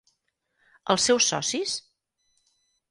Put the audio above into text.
Els seus socis?